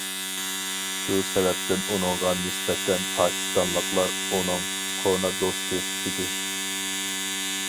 شۇ سەۋەبتىن ئۇنىڭغا نىسبەتەن پاكىستانلىقلار ئۇنىڭ‹‹ كونا دوستى›› ئىدى.